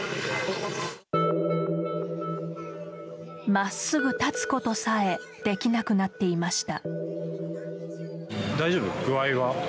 真っすぐ立つことさえできなくなっていました。